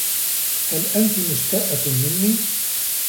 هل أنتِ مستاءة منّي؟